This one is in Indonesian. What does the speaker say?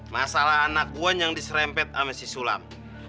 masalah anak buah yang diserempet sama si sulam